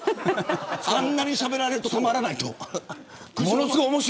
あんなにしゃべられるとたまらないと。